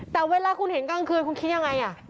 แต่เวลาคุณเห็นกลางคืนคุณคิดยังไง